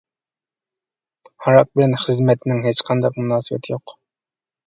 ھاراق بىلەن خىزمەتنىڭ ھېچقانداق مۇناسىۋىتى يوق.